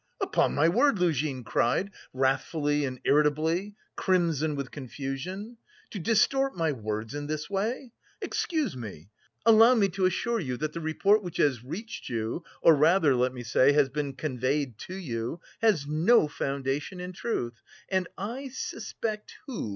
"Upon my word," Luzhin cried wrathfully and irritably, crimson with confusion, "to distort my words in this way! Excuse me, allow me to assure you that the report which has reached you, or rather, let me say, has been conveyed to you, has no foundation in truth, and I... suspect who...